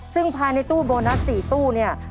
ซึ่งภายในตู้โบนัส๔ตู้เนี่ย